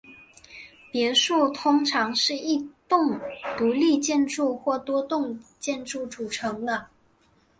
别墅通常是一栋独立建筑或多栋建筑组成。